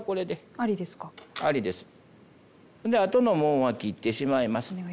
であとのもんは切ってしまいます。